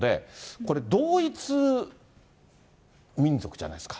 これ、同一民族じゃないですか。